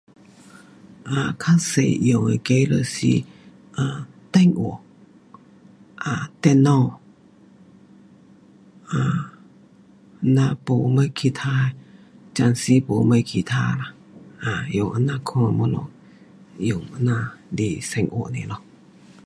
um 较多用那个就是啊电话，啊电脑。um 我没什么其他的，暂时没什么其他啦，用这样款的东西，用这样来生活 nia 咯。